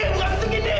buka pintunya ini